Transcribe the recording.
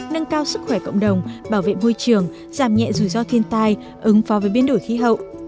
nâng cao sức khỏe cộng đồng bảo vệ môi trường giảm nhẹ rủi ro thiên tai ứng phó với biến đổi khí hậu